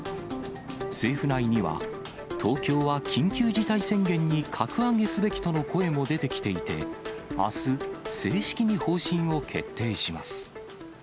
政府内には、東京は緊急事態宣言に格上げすべきとの声も出てきていて、あす、正式に方針を決定します。